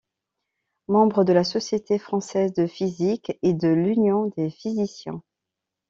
Membre de la Société française de physique et de l'Union des physiciens.